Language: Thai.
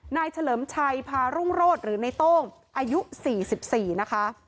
เฉลิมชัยพารุ่งโรศหรือในโต้งอายุ๔๔นะคะ